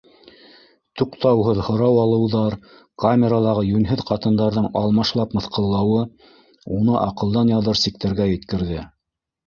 Туҡтауһыҙ һорау алыуҙар, камералағы йүнһеҙ ҡатындарҙың алмашлап мыҫҡыллауы уны аҡылдан яҙыр сиктәргә еткерҙе.